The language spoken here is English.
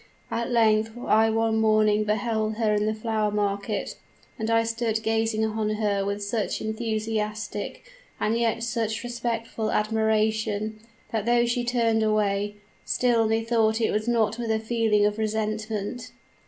At length I one morning beheld her in the flower market, and I stood gazing on her with such enthusiastic, and yet such respectful admiration, that though she turned away, still methought it was not with a feeling of resentment.